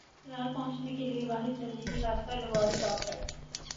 چترال پہنچنے کے لئے واحد زمینی راستہ لواری ٹاپ ہے ۔